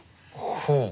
ほう。